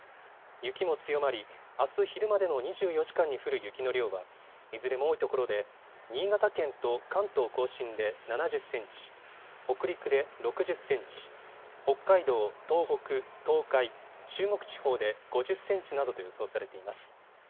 雪も強まり、あす昼までの２４時間に降る雪の量はいずれも多いところで新潟県と関東甲信で７０センチ、北陸で６０センチ、北海道、東北、東海、中国地方で５０センチなどと予想されています。